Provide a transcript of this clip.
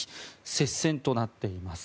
接戦となっています。